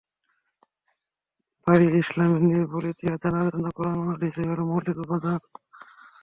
তাই ইসলামের নির্ভুল ইতিহাস জানার জন্য কুরআন ও হাদীসই হলো মৌলিক উপাদান।